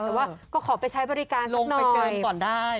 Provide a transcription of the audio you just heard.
แต่ว่าก็ขอไปใช้บริการลงหน่อยเกินก่อนได้